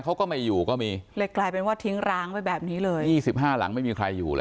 เขาก็ไม่อยู่ก็มีเลยกลายเป็นว่าทิ้งร้างไว้แบบนี้เลยยี่สิบห้าหลังไม่มีใครอยู่เลย